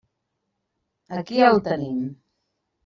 Aquí el tenim.